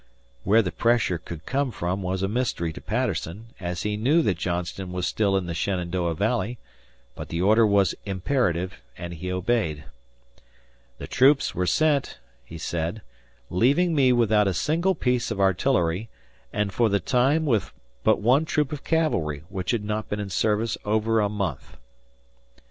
Where the pressure could come from was a mystery to Patterson, as he knew that Johnston was still in the Shenandoah Valley, but the order was imperative, and he obeyed. "The troops were sent," he said, "leaving me without a single piece of artillery, and for the time with but one troop of cavalry, which had not been in service over a month."